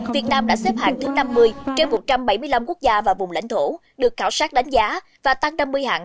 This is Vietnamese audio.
việt nam đã xếp hạng thứ năm mươi trên một trăm bảy mươi năm quốc gia và vùng lãnh thổ được khảo sát đánh giá và tăng năm mươi hạng